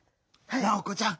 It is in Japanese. ナオコちゃん。